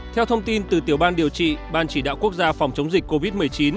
theo thông tin từ tiểu ban điều trị ban chỉ đạo quốc gia phòng chống dịch covid một mươi chín